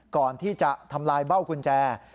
ก่อนที่จะทำลายเบ้ากุญแจ